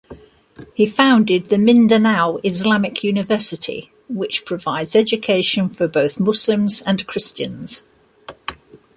He founded the Mindanao Islamic University which provides education for both Muslims and Christians.